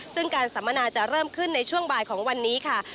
ซึ่งการสัมมนาจะเริ่มขึ้นในช่วงบ่ายของวันนี้ค่ะ